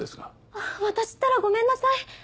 あっ私ったらごめんなさい！